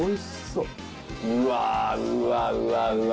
うわうわうわうわ！